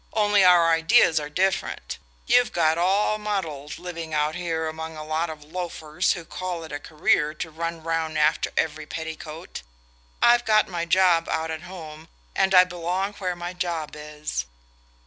Only our ideas are different. You've got all muddled, living out here among a lot of loafers who call it a career to run round after every petticoat. I've got my job out at home, and I belong where my job is."